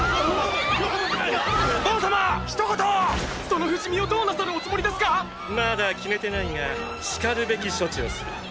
その不死身をどうなさるおつもりですか⁉まだ決めてないが然るべき処置をする。